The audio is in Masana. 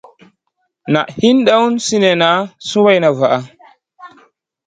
Naʼ hin ɗor sinèhna suwayna vaʼa.